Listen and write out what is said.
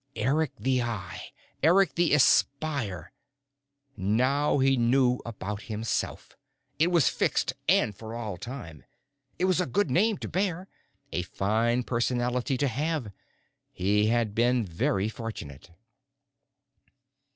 Eric the Eye. Eric the Espier. Now he knew about himself. It was fixed, and for all time. It was a good name to bear, a fine personality to have. He had been very fortunate.